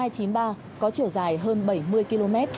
tỉnh lộ hai trăm chín mươi ba có chiều dài hơn bảy mươi km